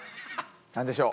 何でしょう？